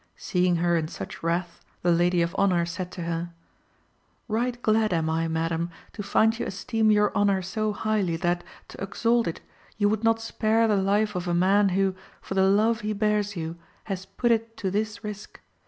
Seeing her in such wrath, the lady of honour said to her "Right glad am I, madam, to find you esteem your honour so highly that, to exalt it, you would not spare the life of a man who, for the love he bears you, has put it to this risk.